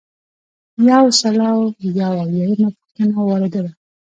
یو سل او یو اویایمه پوښتنه وارده ده.